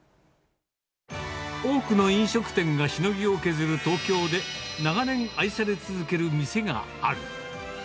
多くの飲食店がしのぎを削る東京で、長年、愛され続ける店がある。